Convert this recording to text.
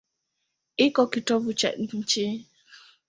Iko kitovu cha nchi.